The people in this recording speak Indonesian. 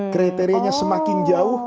kriterianya semakin jauh